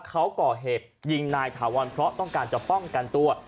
เขาก่อเหตุยิงนายถาวรเพราะต้องการจะป้องกันตัว